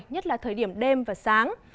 nhất là thời điểm đêm và sáng